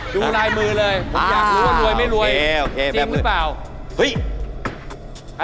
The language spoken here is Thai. ดูลายมือเลยผมอยากรู้ว่ารวยไม่รวยจริงหรือเปล่าเฮ้ย